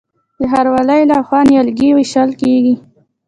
د ښاروالۍ لخوا نیالګي ویشل کیږي.